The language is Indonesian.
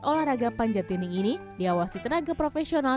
olahraga panjat dinding ini diawasi tenaga profesional